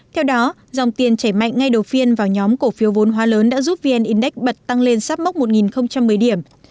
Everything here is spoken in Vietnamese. theo đó dòng tiền chảy mạnh ngay đầu phiên vào nhóm cổ phiếu vốn hoa lớn đã giúp vn index bật tăng lên sắp mốc một một mươi điểm